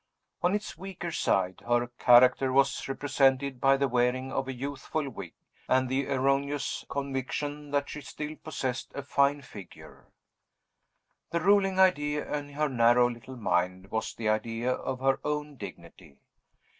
On its weaker side, her character was represented by the wearing of a youthful wig, and the erroneous conviction that she still possessed a fine figure. The ruling idea in her narrow little mind was the idea of her own dignity.